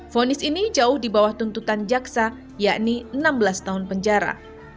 fonis ini jauh di bawah tuntutan jaksa yakni enam belas tahun penjara